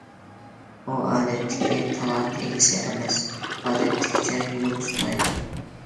ئۇ ئادەتتىكى تالانت ئىگىسى ئەمەس، ئادەتتىكىچە يول تۇتمايدۇ.